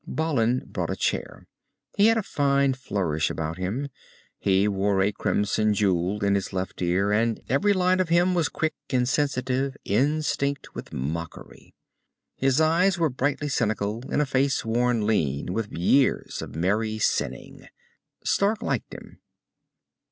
Balin brought a chair. He had a fine flourish about him. He wore a crimson jewel in his left ear, and every line of him was quick and sensitive, instinct with mockery. His eyes were brightly cynical, in a face worn lean with years of merry sinning. Stark liked him.